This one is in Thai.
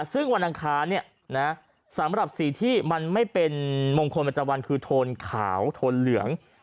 ซึ่งวันอังคารสำหรับสีที่มันไม่เป็นมงคลประจำวันคือโทนขาวโทนเหลือง